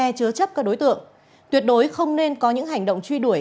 che chứa chấp các đối tượng tuyệt đối không nên có những hành động truy đuổi